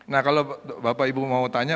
nah kalau bapak ibu mau tanya